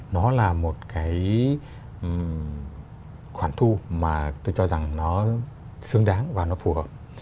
nó là một cái khoản thu mà tôi cho rằng nó xứng đáng và nó phù hợp